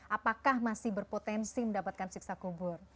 apakah masih berpotensi mendapatkan siksa kubur